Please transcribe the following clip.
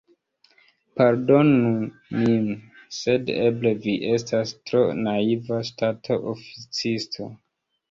Pardonu min, sed eble vi estas tro naiva ŝtata oficisto.